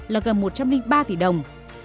là gần một trăm linh ba tỷ đồng